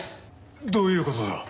どういう事だ？